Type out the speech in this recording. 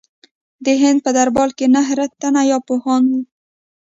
د هغه په دربار کې نهه رتن یا پوهان وو.